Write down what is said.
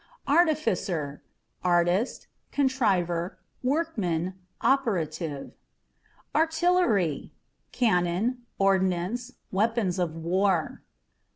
Artificer â€" artist, contriver, workman, operative. Artillery â€" cannon, ordnance, weapons of war.